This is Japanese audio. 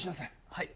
はい。